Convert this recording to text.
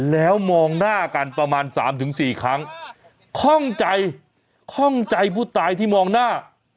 แล้วมองหน้ากันประมาณสามถึงสี่ครั้งคล่องใจคล่องใจผู้ตายที่มองหน้า